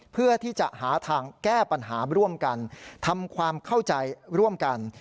เพื่อที่จะหาทางแก้ปัญหาร่วมกันทำความเข้าใจร่วมกัน